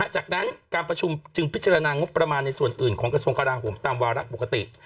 จากนั้นการประชุมจึงพิจารณางบประมาณในส่วนอื่นของกระทรวงกราโหมตามวาระปกติ